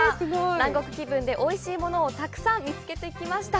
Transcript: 南国気分でおいしいものをたくさん見つけてきました。